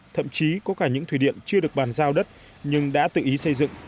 thậm chí có cả những thủy điện chưa được bàn giao đất nhưng đã tự ý xây dựng